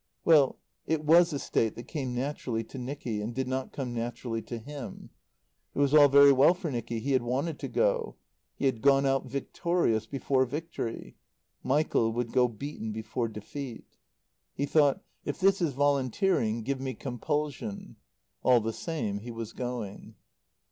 Well it was a state that came naturally to Nicky, and did not come naturally to him. It was all very well for Nicky: he had wanted to go. He had gone out victorious before victory. Michael would go beaten before defeat. He thought: "If this is volunteering, give me compulsion." All the same he was going.